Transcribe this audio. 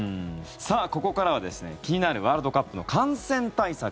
ここからは、気になるワールドカップの感染対策